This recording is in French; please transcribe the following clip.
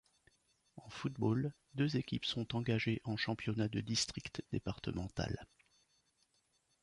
En football, deux équipes sont engagées en championnat de district départemental.